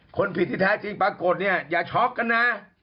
คนผิดที่แท้จริงปรากฏเนี่ยอย่าช็อกกันนะ